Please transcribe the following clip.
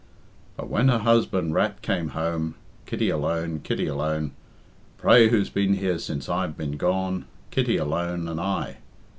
"But when her husband rat came home, Kitty alone, Kitty alone, Pray who's been here since I've been gone? _Kitty alone and I!